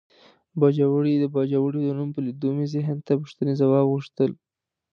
باجوړی د باجوړي د نوم په لیدو مې ذهن ته پوښتنې ځواب غوښتل.